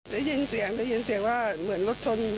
ได้ยินเสียงได้ยินเสียงว่าเหมือนรถชน